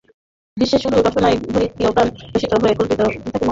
গ্রীষ্মের মরু রসনায় ধরিত্রীর প্রাণ শোষিত হয়ে কল্পিত শিখা উঠতে থাকে মহাশুণ্যে।